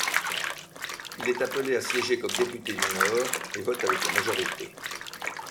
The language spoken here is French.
Il est appelé à siéger comme député du Nord et vote avec la majorité.